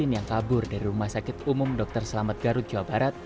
yang kabur dari rumah sakit umum dr selamat garut jawa barat